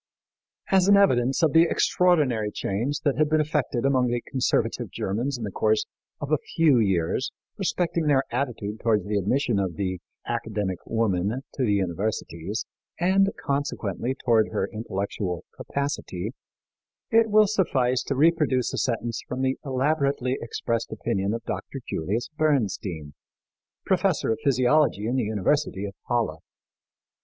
As an evidence of the extraordinary change that had been effected among the conservative Germans in the course of a few years respecting their attitude toward the admission of the "Academic Woman" to the universities, and, consequently, toward her intellectual capacity, it will suffice to reproduce a sentence from the elaborately expressed opinion of Dr. Julius Bernstein, professor of physiology in the University of Halle.